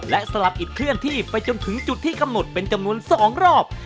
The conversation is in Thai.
และสลับอิดเคลื่อนที่ไปจนถึงจุดที่กำหนดเป็นจำนวน๒รอบ